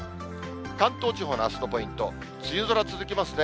関東地方のあすのポイント、梅雨空続きますね。